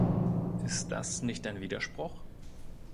Ist das nicht ein Widerspruch?